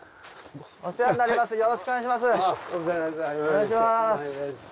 お願いします。